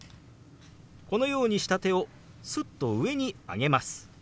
このようにした手をすっと上に上げます。